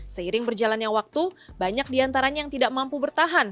seiring berjalannya waktu banyak diantaranya yang tidak mampu bertahan